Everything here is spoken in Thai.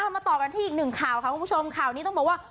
มาต่อกันที่อีกหนึ่งข่าวค่ะคุณผู้ชมข่าวนี้ต้องบอกว่า